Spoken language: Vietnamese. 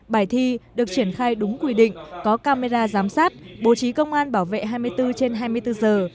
bài thi được triển khai đúng quy định có camera giám sát bố trí công an bảo vệ hai mươi bốn trên hai mươi bốn giờ